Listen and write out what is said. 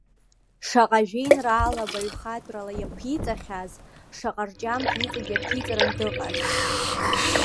Шаҟа жәеинраала баҩхатәрала иаԥиҵахьааз, шаҟа рҿиамҭа иҵегь иаԥиҵаран дыҟааз!